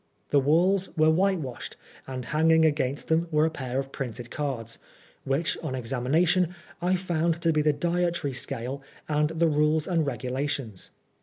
The walls were whitewashed, and hanging against them were a pair of printed csuids, which on examination I found to be the dietary scale and the rules and regula tions.